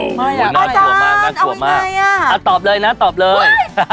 ไม่ะงั้นแยะแยะนะงั้นตอบเลยนะตอบเลย